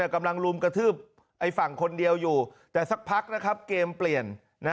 รุมกระทืบฝั่งคนเดียวอยู่แต่สักพักนะครับเกมเปลี่ยน